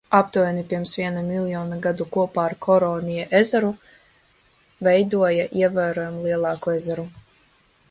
Aptuveni pirms viena miljona gadu kopā ar Koronija ezeru veidoja ievērojami lielāku ezeru.